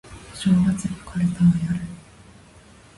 お正月にかるたをやる